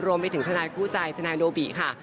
รวมไปถึงทนายคู่ใจทนายโนบิค่ะ